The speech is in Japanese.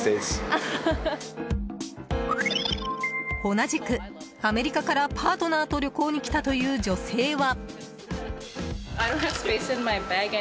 同じくアメリカからパートナーと旅行に来たという女性は。